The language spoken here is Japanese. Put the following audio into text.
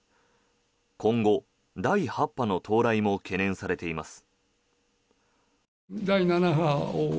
今後、第８波の到来も懸念されています。